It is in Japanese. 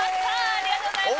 ありがとうございます！